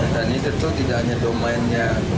dan itu tidak hanya domainnya